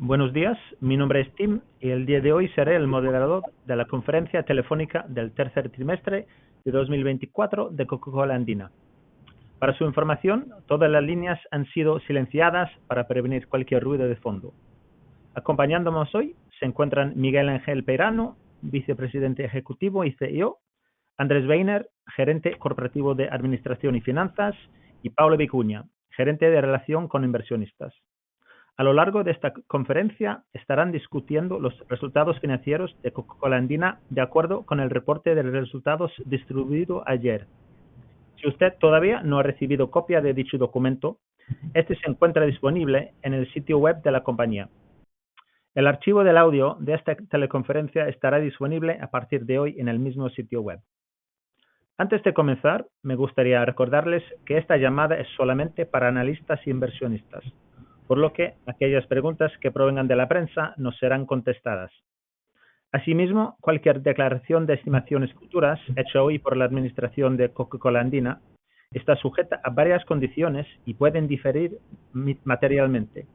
Buenos días, mi nombre es Tim y el día de hoy seré el moderador de la conferencia telefónica del tercer trimestre de 2024 de Coca-Cola Andina. Para su información, todas las líneas han sido silenciadas para prevenir cualquier ruido de fondo. Acompañándonos hoy se encuentran Miguel Ángel Peirano, Vicepresidente Ejecutivo y CEO; Andrés Weiner, Gerente Corporativo de Administración y Finanzas; y Paula Vicuña, Gerente de Relación con Inversionistas. A lo largo de esta conferencia estarán discutiendo los resultados financieros de Coca-Cola Andina de acuerdo con el reporte de resultados distribuido ayer. Si usted todavía no ha recibido copia de dicho documento, este se encuentra disponible en el sitio web de la compañía. El archivo del audio de esta teleconferencia estará disponible a partir de hoy en el mismo sitio web. Antes de comenzar, me gustaría recordarles que esta llamada es solamente para analistas e inversionistas, por lo que aquellas preguntas que provengan de la prensa no serán contestadas. Asimismo, cualquier declaración de estimaciones futuras hecha hoy por la administración de Coca-Cola Andina está sujeta a varias condiciones y pueden diferir materialmente.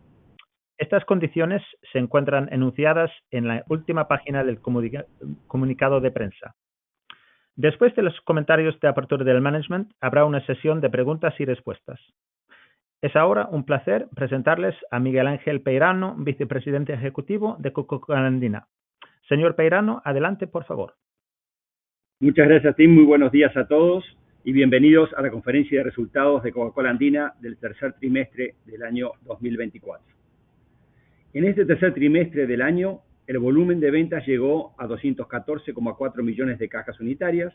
Estas condiciones se encuentran enunciadas en la última página del comunicado de prensa. Después de los comentarios de apertura del management, habrá una sesión de preguntas y respuestas. Es ahora un placer presentarles a Miguel Ángel Peirano, Vicepresidente Ejecutivo de Coca-Cola Andina. Señor Peirano, adelante, por favor. Muchas gracias, Tim. Muy buenos días a todos y bienvenidos a la conferencia de resultados de Coca-Cola Andina del tercer trimestre del año 2024. En este tercer trimestre del año, el volumen de ventas llegó a 214,4 millones de cajas unitarias,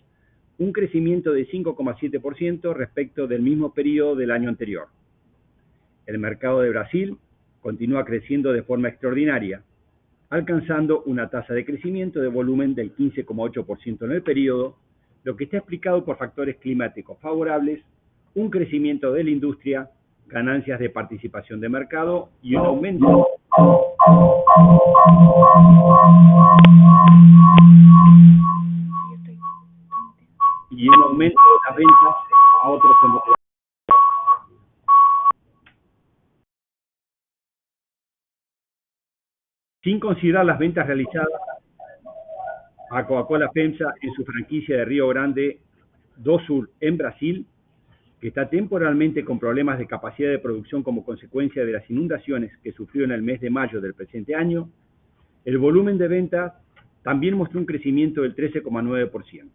un crecimiento de 5,7% respecto del mismo período del año anterior. El mercado de Brasil continúa creciendo de forma extraordinaria, alcanzando una tasa de crecimiento de volumen del 15,8% en el período, lo que está explicado por factores climáticos favorables, un crecimiento de la industria, ganancias de participación de mercado y un aumento. Sin considerar las ventas realizadas a Coca-Cola Pensa en su franquicia de Río Grande do Sul en Brasil, que está temporalmente con problemas de capacidad de producción como consecuencia de las inundaciones que sufrió en el mes de mayo del presente año, el volumen de ventas también mostró un crecimiento del 13,9%.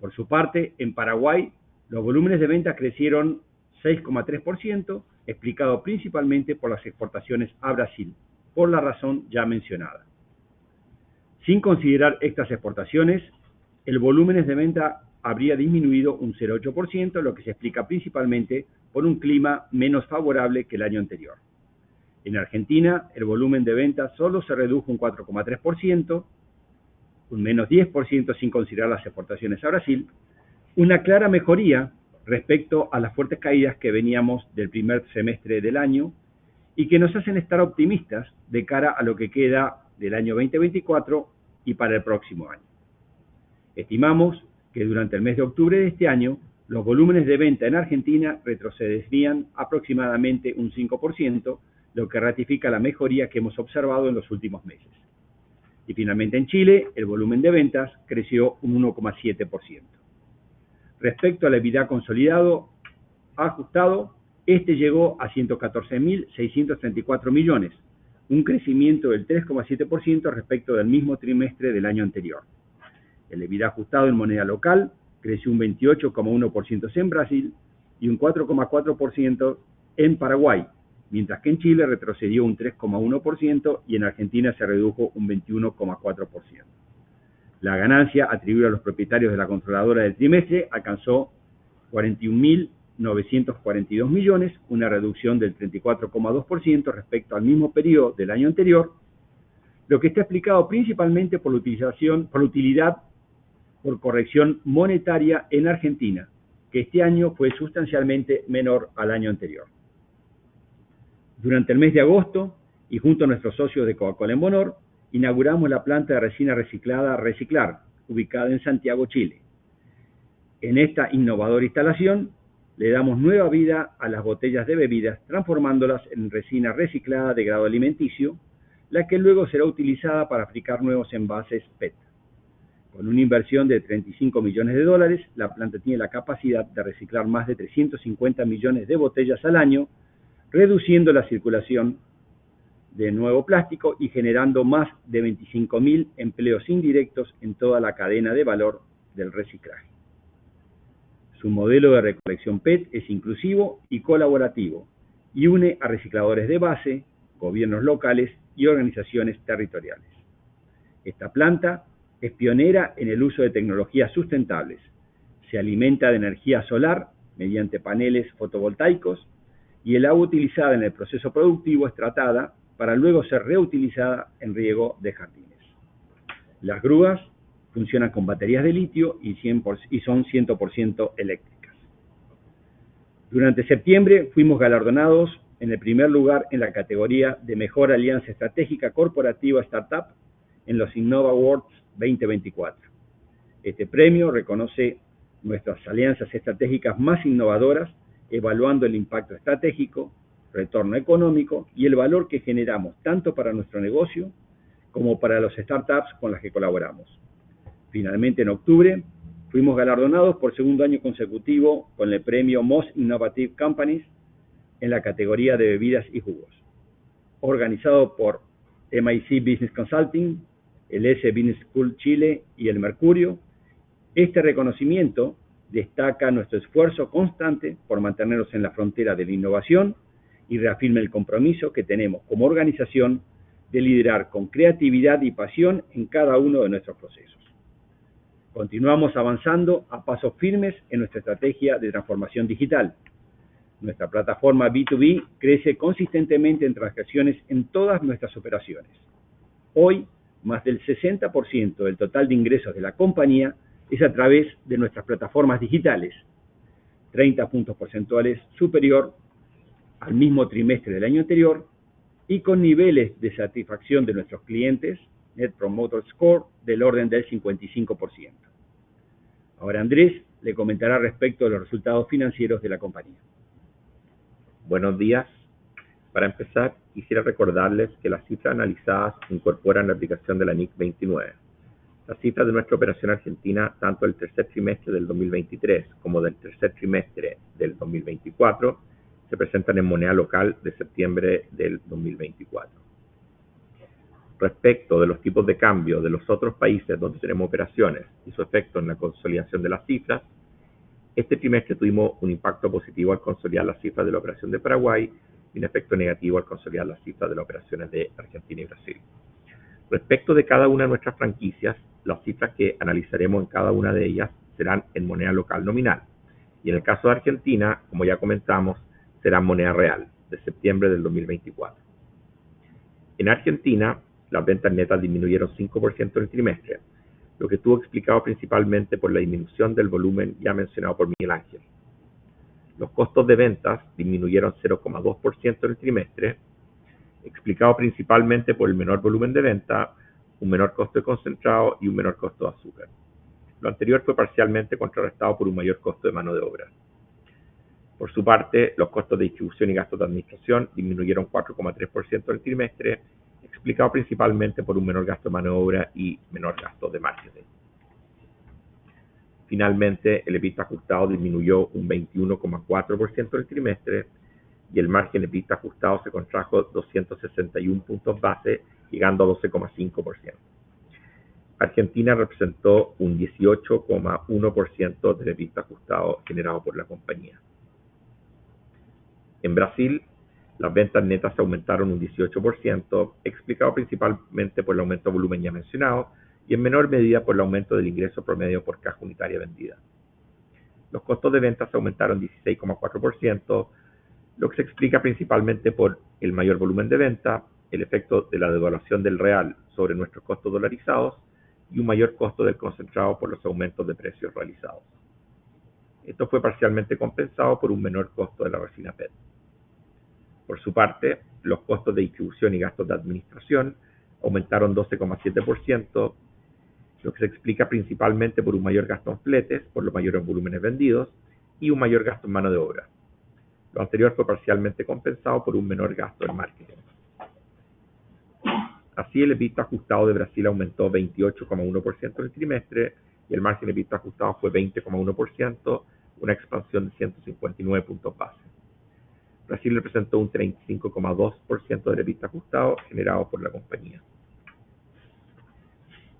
Por su parte, en Paraguay, los volúmenes de ventas crecieron 6,3%, explicado principalmente por las exportaciones a Brasil, por la razón ya mencionada. Sin considerar estas exportaciones, el volumen de ventas habría disminuido un 0,8%, lo que se explica principalmente por un clima menos favorable que el año anterior. En Argentina, el volumen de ventas solo se redujo un 4,3%, un -10% sin considerar las exportaciones a Brasil, una clara mejoría respecto a las fuertes caídas que veníamos del primer semestre del año y que nos hacen estar optimistas de cara a lo que queda del año 2024 y para el próximo año. Estimamos que durante el mes de octubre de este año, los volúmenes de venta en Argentina retrocederían aproximadamente un 5%, lo que ratifica la mejoría que hemos observado en los últimos meses. Y finalmente, en Chile, el volumen de ventas creció un 1,7%. Respecto al EBITDA consolidado ajustado, este llegó a $114,634 millones, un crecimiento del 3,7% respecto del mismo trimestre del año anterior. El EBITDA ajustado en moneda local creció un 28,1% en Brasil y un 4,4% en Paraguay, mientras que en Chile retrocedió un 3,1% y en Argentina se redujo un 21,4%. La ganancia atribuida a los propietarios de la controladora del trimestre alcanzó $41,942 millones, una reducción del 34,2% respecto al mismo período del año anterior, lo que está explicado principalmente por la utilidad por corrección monetaria en Argentina, que este año fue sustancialmente menor al año anterior. Durante el mes de agosto y junto a nuestros socios de Coca-Cola en Bonor, inauguramos la planta de resina reciclada Reciclar, ubicada en Santiago, Chile. En esta innovadora instalación, le damos nueva vida a las botellas de bebidas, transformándolas en resina reciclada de grado alimenticio, la que luego será utilizada para fabricar nuevos envases PET. Con una inversión de $35 millones de dólares, la planta tiene la capacidad de reciclar más de 350 millones de botellas al año, reduciendo la circulación de nuevo plástico y generando más de 25,000 empleos indirectos en toda la cadena de valor del reciclaje. Su modelo de recolección PET es inclusivo y colaborativo y une a recicladores de base, gobiernos locales y organizaciones territoriales. Esta planta es pionera en el uso de tecnologías sustentables, se alimenta de energía solar mediante paneles fotovoltaicos y el agua utilizada en el proceso productivo es tratada para luego ser reutilizada en riego de jardines. Las grúas funcionan con baterías de litio y son 100% eléctricas. Durante septiembre, fuimos galardonados en el primer lugar en la categoría de mejor alianza estratégica corporativa startup en los Innova Awards 2024. Este premio reconoce nuestras alianzas estratégicas más innovadoras, evaluando el impacto estratégico, retorno económico y el valor que generamos tanto para nuestro negocio como para los startups con las que colaboramos. Finalmente, en octubre, fuimos galardonados por segundo año consecutivo con el premio Most Innovative Companies en la categoría de bebidas y jugos. Organizado por MIC Business Consulting, el S Business School Chile y El Mercurio, este reconocimiento destaca nuestro esfuerzo constante por mantenernos en la frontera de la innovación y reafirma el compromiso que tenemos como organización de liderar con creatividad y pasión en cada uno de nuestros procesos. Continuamos avanzando a pasos firmes en nuestra estrategia de transformación digital. Nuestra plataforma B2B crece consistentemente en transacciones en todas nuestras operaciones. Hoy, más del 60% del total de ingresos de la compañía es a través de nuestras plataformas digitales, 30 puntos porcentuales superior al mismo trimestre del año anterior y con niveles de satisfacción de nuestros clientes, Net Promoter Score, del orden del 55%. Ahora Andrés le comentará respecto de los resultados financieros de la compañía. Buenos días. Para empezar, quisiera recordarles que las cifras analizadas incorporan la aplicación de la NIC 29. Las cifras de nuestra operación argentina, tanto del tercer trimestre de 2023 como del tercer trimestre de 2024, se presentan en moneda local de septiembre de 2024. Respecto de los tipos de cambio de los otros países donde tenemos operaciones y su efecto en la consolidación de las cifras, este trimestre tuvimos un impacto positivo al consolidar las cifras de la operación de Paraguay y un efecto negativo al consolidar las cifras de las operaciones de Argentina y Brasil. Respecto de cada una de nuestras franquicias, las cifras que analizaremos en cada una de ellas serán en moneda local nominal y, en el caso de Argentina, como ya comentamos, será moneda real de septiembre de 2024. En Argentina, las ventas netas disminuyeron 5% en el trimestre, lo que estuvo explicado principalmente por la disminución del volumen ya mencionado por Miguel Ángel. Los costos de ventas disminuyeron 0,2% en el trimestre, explicado principalmente por el menor volumen de venta, un menor costo de concentrado y un menor costo de azúcar. Lo anterior fue parcialmente contrarrestado por un mayor costo de mano de obra. Por su parte, los costos de distribución y gastos de administración disminuyeron 4,3% en el trimestre, explicado principalmente por un menor gasto de mano de obra y menor gasto de marketing. Finalmente, el EBITDA ajustado disminuyó un 21,4% en el trimestre y el margen EBITDA ajustado se contrajo 261 puntos base, llegando a 12,5%. Argentina representó un 18,1% del EBITDA ajustado generado por la compañía. En Brasil, las ventas netas aumentaron un 18%, explicado principalmente por el aumento de volumen ya mencionado y, en menor medida, por el aumento del ingreso promedio por caja unitaria vendida. Los costos de ventas aumentaron 16,4%, lo que se explica principalmente por el mayor volumen de venta, el efecto de la devaluación del real sobre nuestros costos dolarizados y un mayor costo del concentrado por los aumentos de precios realizados. Esto fue parcialmente compensado por un menor costo de la resina PET. Por su parte, los costos de distribución y gastos de administración aumentaron 12,7%, lo que se explica principalmente por un mayor gasto en fletes, por los mayores volúmenes vendidos y un mayor gasto en mano de obra. Lo anterior fue parcialmente compensado por un menor gasto en marketing. Así, el EBITDA ajustado de Brasil aumentó 28,1% en el trimestre y el margen EBITDA ajustado fue 20,1%, una expansión de 159 puntos base. Brasil representó un 35,2% del EBITDA ajustado generado por la compañía.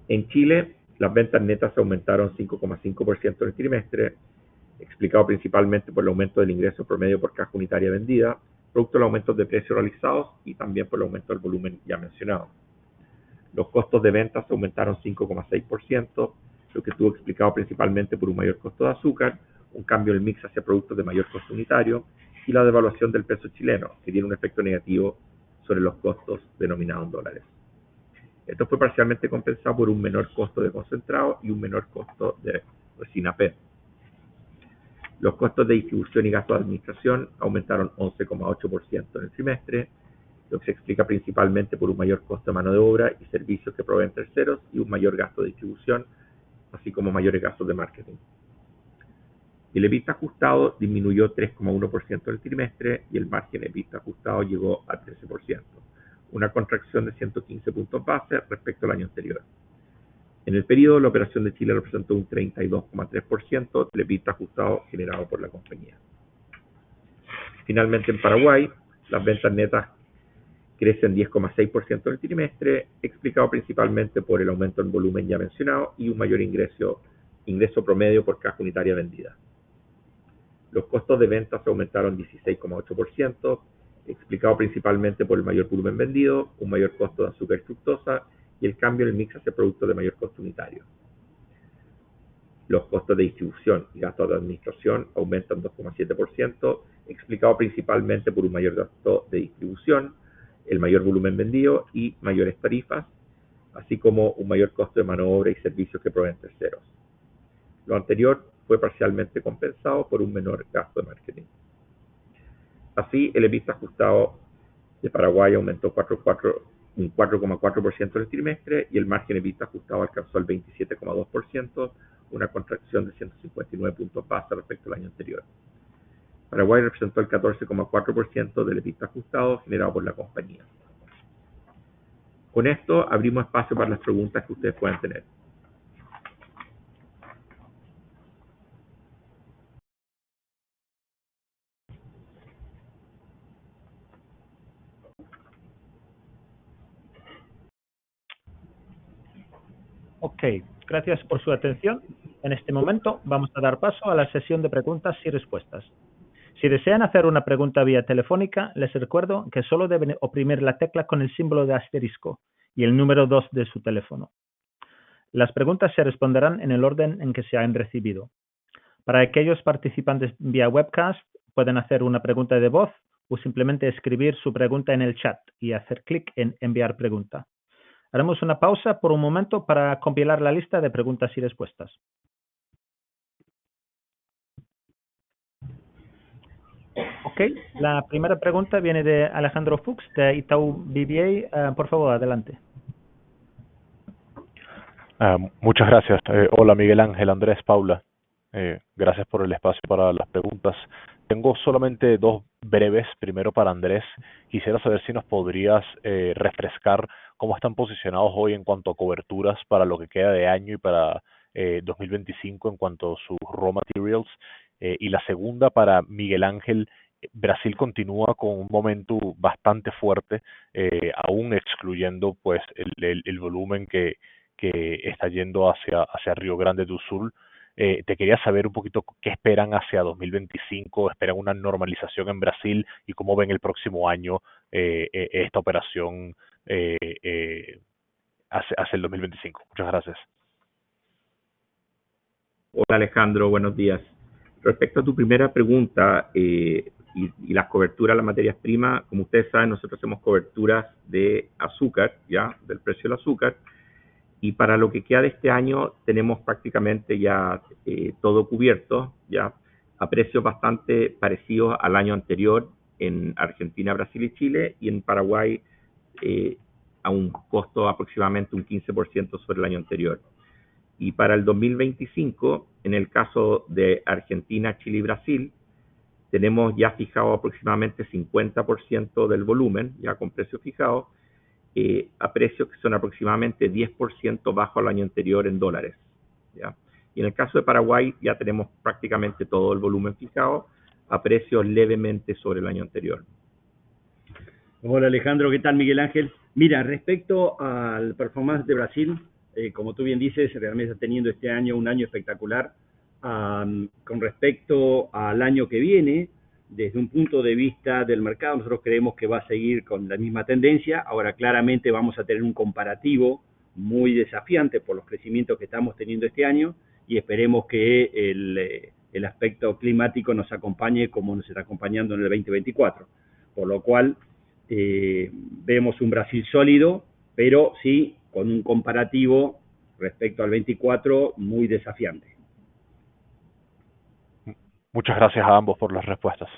En Chile, las ventas netas aumentaron 5,5% en el trimestre, explicado principalmente por el aumento del ingreso promedio por caja unitaria vendida, producto de los aumentos de precios realizados y también por el aumento del volumen ya mencionado. Los costos de ventas aumentaron 5,6%, lo que estuvo explicado principalmente por un mayor costo de azúcar, un cambio del mix hacia productos de mayor costo unitario y la devaluación del peso chileno, que tiene un efecto negativo sobre los costos denominados en dólares. Esto fue parcialmente compensado por un menor costo de concentrado y un menor costo de resina PET. Los costos de distribución y gastos de administración aumentaron 11,8% en el trimestre, lo que se explica principalmente por un mayor costo de mano de obra y servicios que proveen terceros y un mayor gasto de distribución, así como mayores gastos de marketing. El EBITDA ajustado disminuyó 3,1% en el trimestre y el margen EBITDA ajustado llegó a 13%, una contracción de 115 puntos base respecto al año anterior. En el período, la operación de Chile representó un 32,3% del EBITDA ajustado generado por la compañía. Finalmente, en Paraguay, las ventas netas crecen 10,6% en el trimestre, explicado principalmente por el aumento en volumen ya mencionado y un mayor ingreso promedio por caja unitaria vendida. Los costos de ventas aumentaron 16,8%, explicado principalmente por el mayor volumen vendido, un mayor costo de azúcar y fructosa y el cambio del mix hacia productos de mayor costo unitario. Los costos de distribución y gastos de administración aumentan 2,7%, explicado principalmente por un mayor gasto de distribución, el mayor volumen vendido y mayores tarifas, así como un mayor costo de mano de obra y servicios que proveen terceros. Lo anterior fue parcialmente compensado por un menor gasto de marketing. Así, el EBITDA ajustado de Paraguay aumentó 4,4% en el trimestre y el margen EBITDA ajustado alcanzó el 27,2%, una contracción de 159 puntos base respecto al año anterior. Paraguay representó el 14,4% del EBITDA ajustado generado por la compañía. Con esto, abrimos espacio para las preguntas que ustedes puedan tener. Gracias por su atención. En este momento, vamos a dar paso a la sesión de preguntas y respuestas. Si desean hacer una pregunta vía telefónica, les recuerdo que solo deben oprimir la tecla con el símbolo de asterisco y el número dos de su teléfono. Las preguntas se responderán en el orden en que se han recibido. Para aquellos participantes vía webcast, pueden hacer una pregunta de voz o simplemente escribir su pregunta en el chat y hacer clic en "Enviar pregunta". Haremos una pausa por un momento para compilar la lista de preguntas y respuestas. La primera pregunta viene de Alejandro Fux de Itaú BBA. Por favor, adelante. Muchas gracias. Hola, Miguel Ángel, Andrés, Paula. Gracias por el espacio para las preguntas. Tengo solamente dos breves. Primero, para Andrés, quisiera saber si nos podrías refrescar cómo están posicionados hoy en cuanto a coberturas para lo que queda de año y para 2025 en cuanto a sus materias primas. Y la segunda, para Miguel Ángel, Brasil continúa con un momento bastante fuerte, aún excluyendo el volumen que está yendo hacia Río Grande do Sul. Te quería preguntar un poquito qué esperan hacia 2025, esperan una normalización en Brasil y cómo ven el próximo año esta operación hacia 2025. Muchas gracias. Hola, Alejandro, buenos días. Respecto a tu primera pregunta y las coberturas de las materias primas, como ustedes saben, nosotros hacemos coberturas de azúcar, del precio del azúcar. Y para lo que queda de este año, tenemos prácticamente ya todo cubierto, a precios bastante parecidos al año anterior en Argentina, Brasil y Chile, y en Paraguay a un costo aproximadamente 15% sobre el año anterior. Y para el 2025, en el caso de Argentina, Chile y Brasil, tenemos ya fijado aproximadamente 50% del volumen, ya con precio fijado, a precios que son aproximadamente 10% bajo al año anterior en dólares. Y en el caso de Paraguay, ya tenemos prácticamente todo el volumen fijado a precios levemente sobre el año anterior. Hola, Alejandro, ¿qué tal, Miguel Ángel? Mira, respecto al performance de Brasil, como tú bien dices, realmente está teniendo este año un año espectacular. Con respecto al año que viene, desde un punto de vista del mercado, nosotros creemos que va a seguir con la misma tendencia. Ahora, claramente vamos a tener un comparativo muy desafiante por los crecimientos que estamos teniendo este año y esperemos que el aspecto climático nos acompañe como nos está acompañando en 2024. Por lo cual, vemos un Brasil sólido, pero sí, con un comparativo respecto al 24, muy desafiante. Muchas gracias a ambos por las respuestas.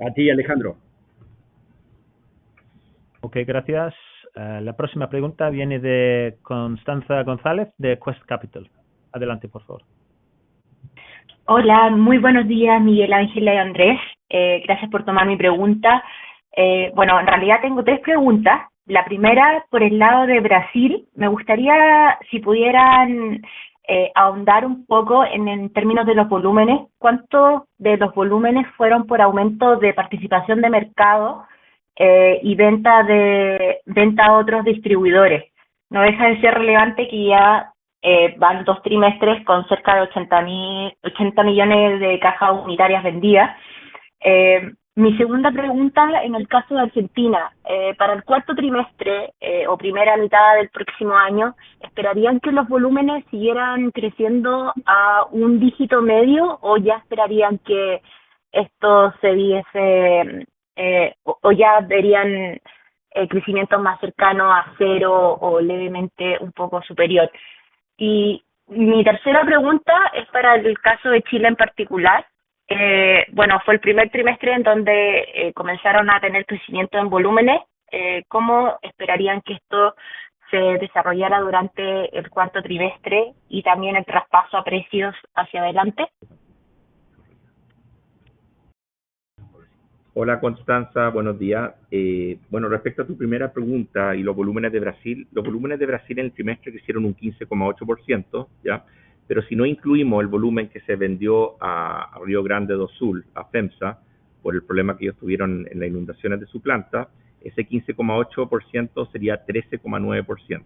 A ti, Alejandro. Okay, gracias. La próxima pregunta viene de Constanza González de Quest Capital. Adelante, por favor. Hola, muy buenos días, Miguel Ángel y Andrés. Gracias por tomar mi pregunta. Bueno, en realidad tengo tres preguntas. La primera, por el lado de Brasil, me gustaría, si pudieran ahondar un poco en términos de los volúmenes, ¿cuánto de los volúmenes fueron por aumento de participación de mercado y venta a otros distribuidores? No deja de ser relevante que ya van dos trimestres con cerca de 80 millones de cajas unitarias vendidas. Mi segunda pregunta, en el caso de Argentina, para el cuarto trimestre o primera mitad del próximo año, ¿esperarían que los volúmenes siguieran creciendo a un dígito medio o ya esperarían que esto se viese o ya verían crecimiento más cercano a cero o levemente un poco superior? Y mi tercera pregunta es para el caso de Chile en particular. Bueno, fue el primer trimestre en donde comenzaron a tener crecimiento en volúmenes. ¿Cómo esperarían que esto se desarrollara durante el cuarto trimestre y también el traspaso a precios hacia adelante? Hola, Constanza, buenos días. Bueno, respecto a tu primera pregunta y los volúmenes de Brasil, los volúmenes de Brasil en el trimestre crecieron un 15,8%, pero si no incluimos el volumen que se vendió a Río Grande do Sul, a FEMSA, por el problema que ellos tuvieron en las inundaciones de su planta, ese 15,8% sería 13,9%.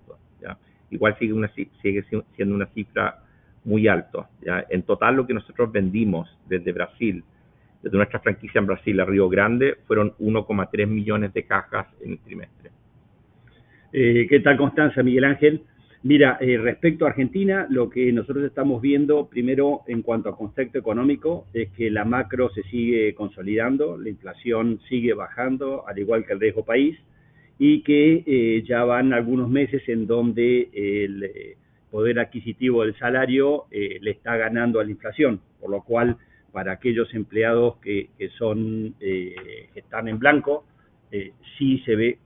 Igual sigue siendo una cifra muy alta. En total, lo que nosotros vendimos desde Brasil, desde nuestra franquicia en Brasil a Río Grande, fueron 1,3 millones de cajas en el trimestre. ¿Qué tal, Constanza? Miguel Ángel. Mira, respecto a Argentina, lo que nosotros estamos viendo, primero en cuanto a concepto económico, es que la macro se sigue consolidando, la inflación sigue bajando, al igual que el resto del país, y que ya van algunos meses en donde el poder adquisitivo del salario le está ganando a la inflación. Por lo cual, para aquellos empleados que están en blanco, sí se ve,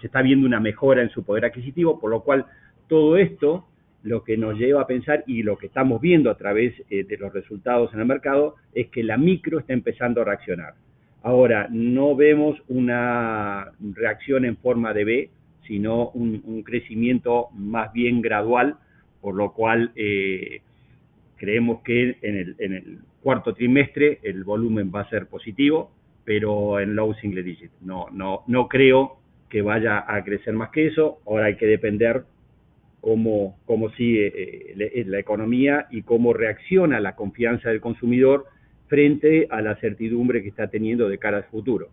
se está viendo una mejora en su poder adquisitivo. Por lo cual, todo esto lo que nos lleva a pensar y lo que estamos viendo a través de los resultados en el mercado, es que la micro está empezando a reaccionar. Ahora, no vemos una reacción en forma de V, sino un crecimiento más bien gradual, por lo cual creemos que en el cuarto trimestre el volumen va a ser positivo, pero en low single digit. No creo que vaya a crecer más que eso. Ahora hay que depender cómo sigue la economía y cómo reacciona la confianza del consumidor frente a la certidumbre que está teniendo de cara al futuro.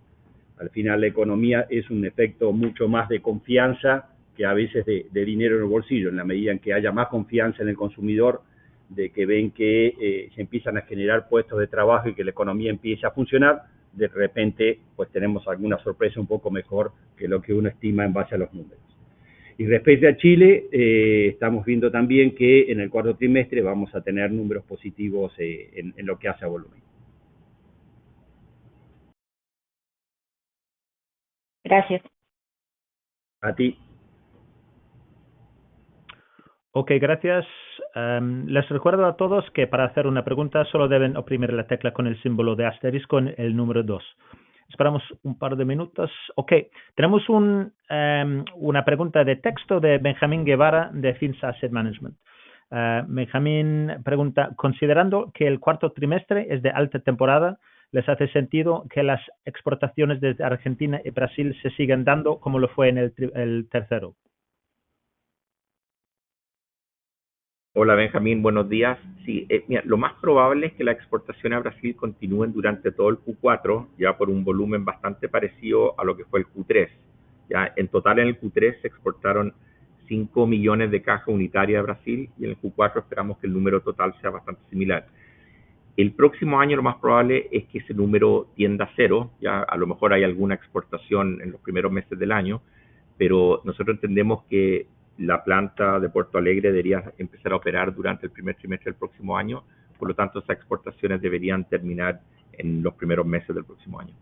Al final, la economía es un efecto mucho más de confianza que a veces de dinero en el bolsillo. En la medida en que haya más confianza en el consumidor, de que ven que se empiezan a generar puestos de trabajo y que la economía empieza a funcionar, de repente tenemos alguna sorpresa un poco mejor que lo que uno estima en base a los números. Y respecto a Chile, estamos viendo también que en el cuarto trimestre vamos a tener números positivos en lo que hace a volumen. Gracias. A ti. Gracias. Les recuerdo a todos que para hacer una pregunta solo deben oprimir la tecla con el símbolo de asterisco en el número dos. Esperamos un par de minutos. Tenemos una pregunta de texto de Benjamín Guevara de FinSA Asset Management. Benjamín pregunta: "Considerando que el cuarto trimestre es de alta temporada, ¿les hace sentido que las exportaciones desde Argentina y Brasil se sigan dando como lo fue en el tercero?" Hola, Benjamín, buenos días. Sí, lo más probable es que las exportaciones a Brasil continúen durante todo el Q4, ya por un volumen bastante parecido a lo que fue el Q3. En total, en el Q3 se exportaron 5 millones de cajas unitarias a Brasil y en el Q4 esperamos que el número total sea bastante similar. El próximo año lo más probable es que ese número tienda a cero, a lo mejor hay alguna exportación en los primeros meses del año, pero nosotros entendemos que la planta de Puerto Alegre debería empezar a operar durante el primer trimestre del próximo año, por lo tanto esas exportaciones deberían terminar en los primeros meses del próximo año.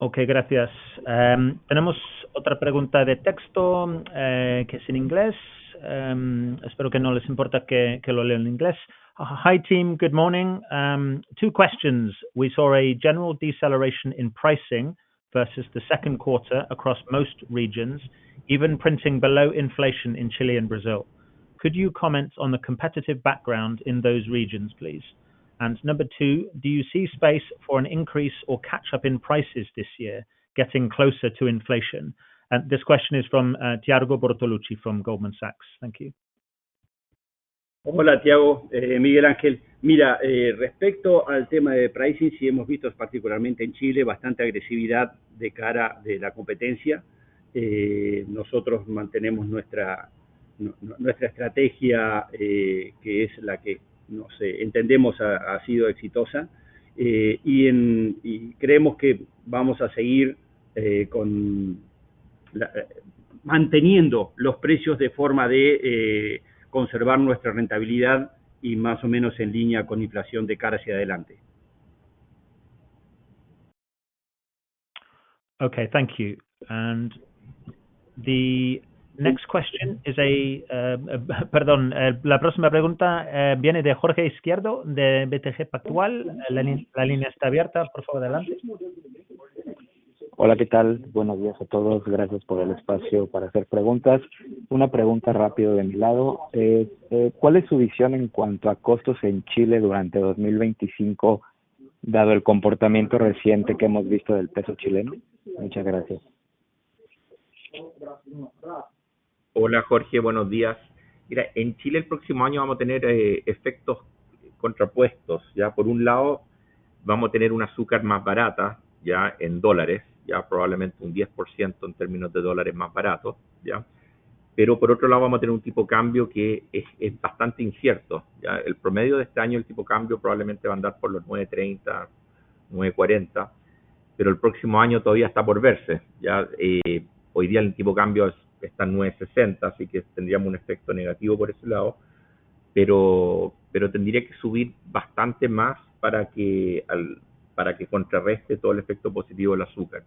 Okay, gracias. Tenemos otra pregunta de texto que es en inglés. Espero que no les importe que lo lea en inglés. "Hi team, good morning. Two questions. We saw a general deceleration in pricing versus the second quarter across most regions, even printing below inflation in Chile and Brazil. Could you comment on the competitive background in those regions, please? And number two, do you see space for an increase or catch-up in prices this year, getting closer to inflation?" This question is from Tiago Bortolucci from Goldman Sachs. Thank you. Hola, Tiago, Miguel Ángel. Mira, respecto al tema de pricing, sí hemos visto, particularmente en Chile, bastante agresividad de cara a la competencia. Nosotros mantenemos nuestra estrategia, que es la que entendemos ha sido exitosa, y creemos que vamos a seguir manteniendo los precios de forma de conservar nuestra rentabilidad y más o menos en línea con inflación de cara hacia adelante. Okay, thank you. And the next question is a perdón, la próxima pregunta viene de Jorge Izquierdo de BTG Pactual. La línea está abierta, por favor, adelante. Hola, ¿qué tal? Buenos días a todos. Gracias por el espacio para hacer preguntas. Una pregunta rápida de mi lado: ¿cuál es su visión en cuanto a costos en Chile durante 2025, dado el comportamiento reciente que hemos visto del peso chileno? Muchas gracias. Hola, Jorge, buenos días. Mira, en Chile el próximo año vamos a tener efectos contrapuestos. Por un lado, vamos a tener una azúcar más barata en dólares, probablemente un 10% en términos de dólares más baratos. Pero, por otro lado, vamos a tener un tipo de cambio que es bastante incierto. El promedio de este año, el tipo de cambio, probablemente va a andar por los $9,30, $9,40, pero el próximo año todavía está por verse. Hoy día el tipo de cambio está en $9,60, así que tendríamos un efecto negativo por ese lado, pero tendría que subir bastante más para que contrarreste todo el efecto positivo de la azúcar.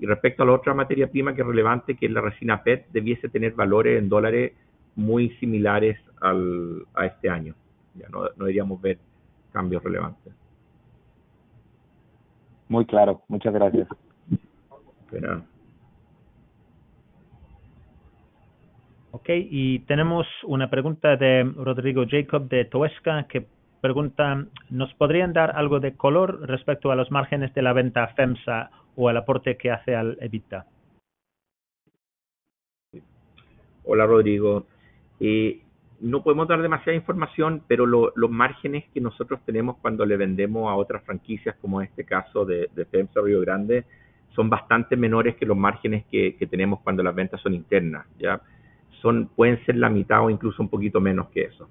Y respecto a la otra materia prima que es relevante, que es la resina PET, debiese tener valores en dólares muy similares a este año. No deberíamos ver cambios relevantes. Muy claro, muchas gracias. De nada. Okay, y tenemos una pregunta de Rodrigo Jacob de Toesca, que pregunta: "¿Nos podrían dar algo de color respecto a los márgenes de la venta FEMSA o el aporte que hace al EBITDA?" Hola, Rodrigo. No podemos dar demasiada información, pero los márgenes que nosotros tenemos cuando le vendemos a otras franquicias, como en este caso de FEMSA Río Grande, son bastante menores que los márgenes que tenemos cuando las ventas son internas. Pueden ser la mitad o incluso un poquito menos que eso.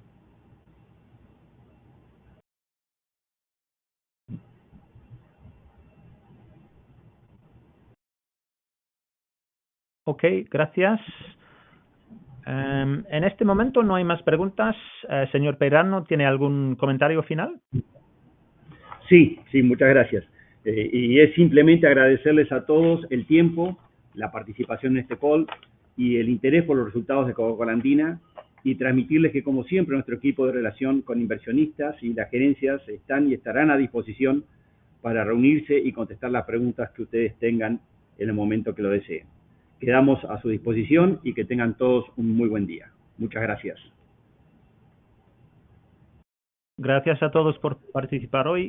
Okay, gracias. En este momento no hay más preguntas. Señor Perano, ¿tiene algún comentario final? Sí, muchas gracias. Y es simplemente agradecerles a todos el tiempo, la participación en este call y el interés por los resultados de Coca-Cola Andina, y transmitirles que, como siempre, nuestro equipo de relación con inversionistas y las gerencias están y estarán a disposición para reunirse y contestar las preguntas que ustedes tengan en el momento que lo deseen. Quedamos a su disposición y que tengan todos un muy buen día. Muchas gracias. Gracias a todos por participar.